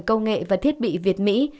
công nghệ và thiết bị việt mỹ